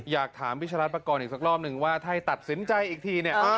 อยากถามวิชารัฐประกอบอีกสักรอบนึงว่าถ้าให้ตัดสินใจอีกทีเนี่ย